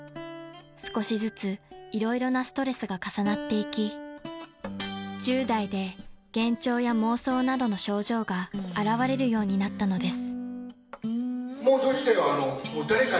［少しずつ色々なストレスが重なっていき１０代で幻聴や妄想などの症状があらわれるようになったのです］